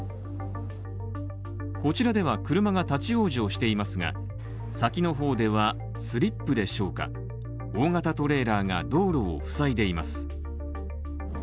こちらでは車が立往生していますが先の方ではスリップでしょうか、大型トレーラーが道路を塞いでいます。